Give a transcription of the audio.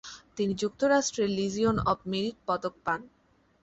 তিনি যুক্তরাষ্ট্রের Legion of merit পদক পান।